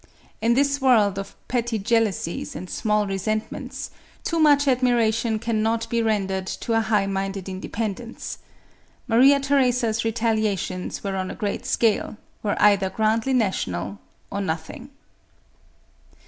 In this world of petty jealousies and small resentments, too much admiration cannot be rendered to a high minded independence. Maria Theresa's retaliations were on a great scale — were either grandly national or nothing.